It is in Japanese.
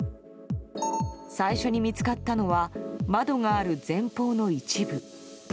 最初に見つかったのは窓がある前方の一部。